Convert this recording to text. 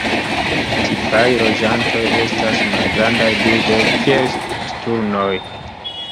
Tipaj loĝantoj estas malgrandaj birdoj kiel sturnoj.